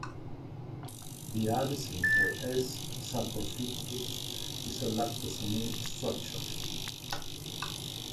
The adhesin for "S. saprophyticus" is a lactosamine structure.